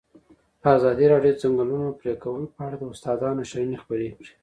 ازادي راډیو د د ځنګلونو پرېکول په اړه د استادانو شننې خپرې کړي.